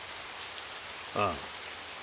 ああ。